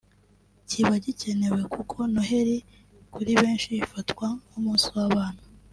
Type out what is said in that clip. kiba gikenewe kuko Noheli kuri benshi ifatwa nk’umunsi w’abana